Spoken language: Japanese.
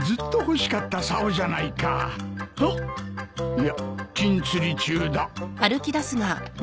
いや禁釣り中だ。